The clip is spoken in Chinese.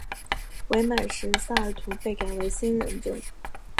伪满时萨尔图被改为兴仁镇。